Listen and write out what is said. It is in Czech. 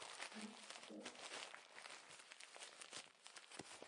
Vydal více než tucet knih a natočil tři filmy.